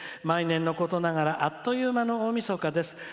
毎年のことながらあっという間の大みそかです。